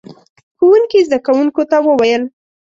ښوونکي زده کوونکو ته وويل: